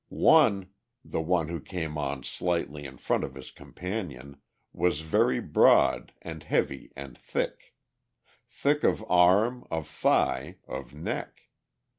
One, the one who came on slightly in front of his companion, was very broad and heavy and thick. Thick of arm, of thigh, of neck.